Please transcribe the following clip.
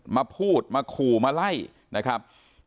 มาพูดมาขู่มาไล่นะครับ